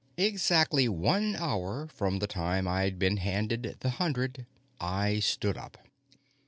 Exactly one hour from the time I'd been handed the hundred, I stood up.